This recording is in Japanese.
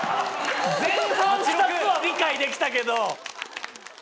前半２つは理解できたけど！